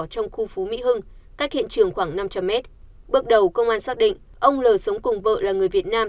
trong khu phú mỹ hưng cách hiện trường khoảng năm trăm linh mét bước đầu công an xác định ông l sống cùng vợ là người việt nam